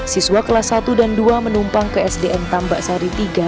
siswa kelas satu dan dua menumpang ke sdn tambak sari tiga